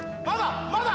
まだ？